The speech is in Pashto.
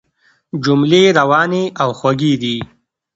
جملې روانې او خوږې دي.